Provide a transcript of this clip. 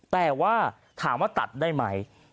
แต่ว่าถามว่าตัดได้ไหม